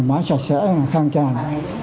đi nội thoại chặt chẽ khang tràn